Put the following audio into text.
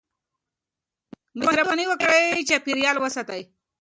مهرباني وکړئ چاپېريال وساتئ.